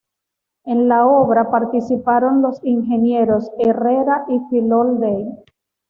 En la obra participaron los ingenieros Herrera y Fillol Day.